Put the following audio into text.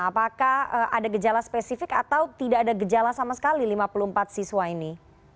apakah ada gejala spesifik atau tidak ada gejala sama sekali lima puluh empat siswa ini